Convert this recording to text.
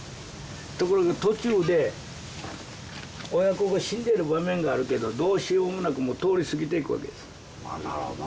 ところが途中で親子が死んでる場面があるけどどうしようもなく通り過ぎていくわけです。